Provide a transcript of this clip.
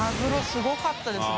すごかったですね